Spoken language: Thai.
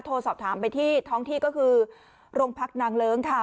โทรสอบถามไปที่ท้องที่ก็คือโรงพักนางเลิ้งค่ะ